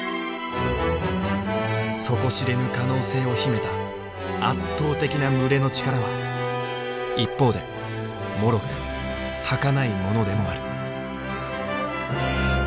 底知れぬ可能性を秘めた圧倒的な群れの力は一方で脆く儚いものでもある。